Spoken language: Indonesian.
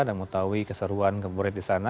dan memutuhi keseruan kemurid di sana